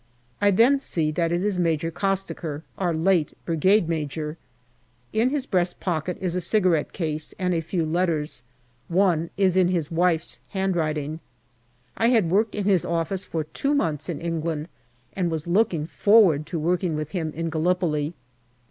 I then see that it is Major Costaker, our late Brigade Major. In his breast pocket is a cigarette case and a few letters ; one is in his wife's handwriting. I had worked in his office for two months in England, and was looking forward to working with him in Gallipoli.